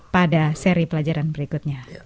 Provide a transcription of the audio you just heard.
pada seri pelajaran berikutnya